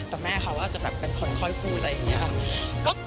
แต่แม่เขาว่าจะเป็นคนค่อยพูดอะไรอย่างนี้